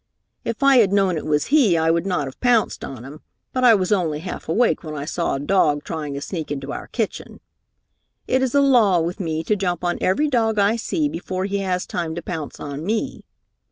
If I had known it was he, I would not have pounced on him, but I was only half awake when I saw a dog trying to sneak into our kitchen. It is a law with me to jump on every dog I see before he has time to pounce on me.